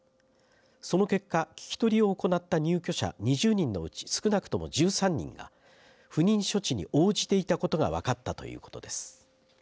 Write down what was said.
その結果、聞き取りを行った入居者２０人のうち少なくとも１３人が不妊処置に応じていたことが分かったということです。